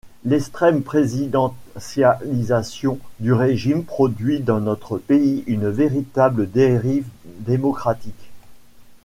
L'extrême présidentialisation du régime produit dans notre pays une véritable dérive démocratique.